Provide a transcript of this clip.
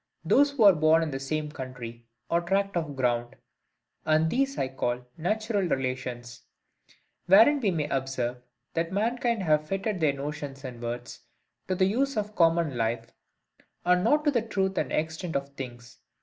those who were born in the same country or tract of ground; and these I call NATURAL RELATIONS: wherein we may observe, that mankind have fitted their notions and words to the use of common life, and not to the truth and extent of things.